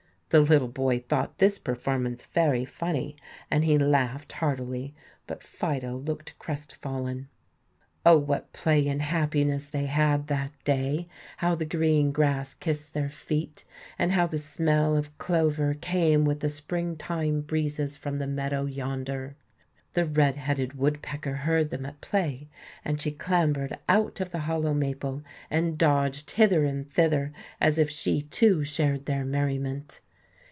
The little boy thought this performance very funny, and he laughed heartily. But Fido looked crestfallen. Oh, what play and happiness they had that day; how the green grass kissed their feet, and how the smell of clover came with the springtime breezes from the meadow yonder! The red headed woodpecker heard them at play, and she clambered out of the hollow maple and dodged hither and thither as if she, too, shared their merriment.